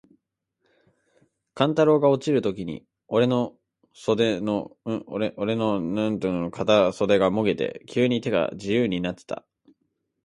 勘太郎が落ちるときに、おれの袷の片袖がもげて、急に手が自由になつた。